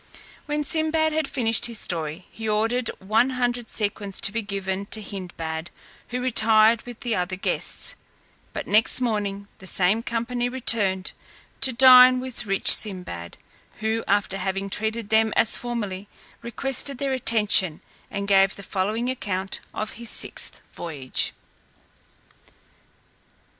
When Sinbad had finished his story, he ordered one hundred sequins to be given to Hindbad, who retired with the other guests; but next morning the same company returned to dine with rich Sinbad; who, after having treated them as formerly, requested their attention, and gave the following account of his sixth voyage.